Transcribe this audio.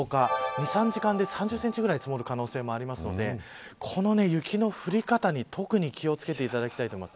２、３時間で３０センチぐらい積もる可能性もあるのでこの雪の降り方に特に気を付けていただきたいと思います。